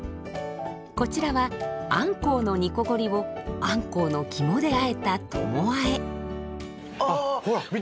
こちらはあんこうの煮こごりをあんこうの肝であえたほら見て！